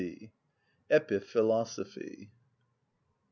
Epiphilosophy.